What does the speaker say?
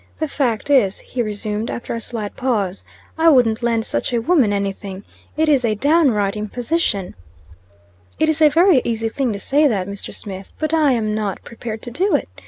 "The fact is," he resumed, after a slight pause, "I wouldn't lend such a woman anything. It is a downright imposition." "It is a very easy thing to say that, Mr. Smith. But I am not prepared to do it.